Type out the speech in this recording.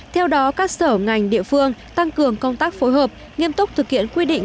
theo đó các sở ngành địa phương tăng cường công tác phối hợp nghiêm túc thực hiện quy định